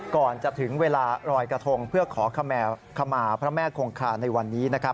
ก่อนจะถึงเวลารอยกระทงเพื่อขอขมาพระแม่คงคาในวันนี้นะครับ